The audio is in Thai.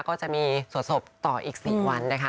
ก็จะมีสวดศพต่ออีก๔วันนะคะ